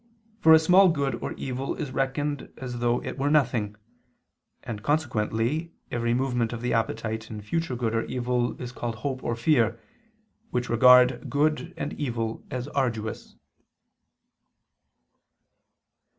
For a small good or evil is reckoned as though it were nothing: and consequently every movement of the appetite in future good or evil is called hope or fear, which regard good and evil as arduous.